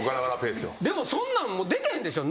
でもそんなんできへんでしょ。